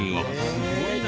すごいな。